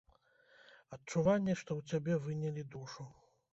Адчуванне, што ў цябе вынялі душу.